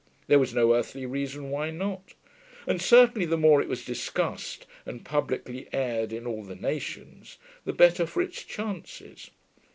There was no earthly reason why not. And certainly the more it was discussed and publicly aired in all the nations, the better for its chances.